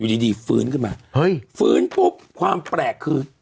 ดีฟื้นขึ้นมาเฮ้ยฟื้นปุ๊บความแปลกคือ